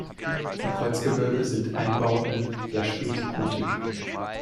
Die Kreuzgewölbe sind Einbauten der Spätgotik.